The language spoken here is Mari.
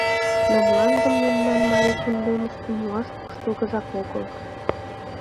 Но мландым мемнан марий кундемыште муаш куштылгыжак огыл.